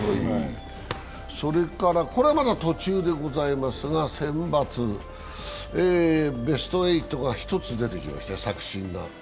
それからこれはまだ途中でございますがセンバツ、ベスト８が１つ出てきましたよ、作新が。